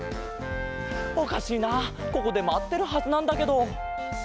おかしいなここでまってるはずなんだけど。